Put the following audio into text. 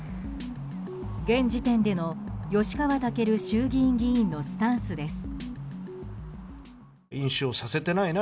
現時点での吉川赳衆議院議員のスタンスです。